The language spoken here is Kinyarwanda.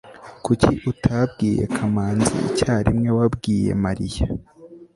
kuki utabwiye kamanzi icyarimwe wabwiye mariya